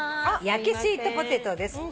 焼スイートポテトです。